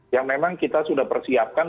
yang memang kita sudah persiapkan